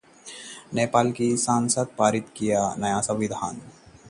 नेपाल की संसद ने पारित किया नया संविधान